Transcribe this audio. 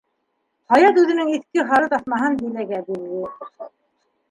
Хаят үҙенең иҫке һары таҫмаһын Диләгә бирҙе.